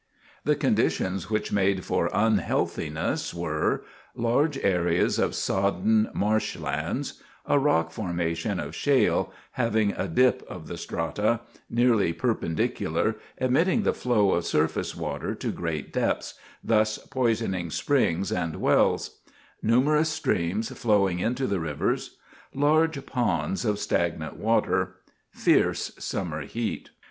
The conditions which made for unhealthiness were: large areas of sodden marsh lands; a rock formation of shale, having a dip of the strata, nearly perpendicular, admitting the flow of surface water to great depths, thus poisoning springs and wells; numerous streams flowing into the rivers; large ponds of stagnant water; fierce summer heat.